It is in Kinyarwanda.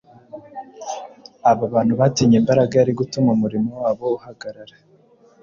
Aba bantu batinye imbaraga yari gutuma umurimo wabo uhagarara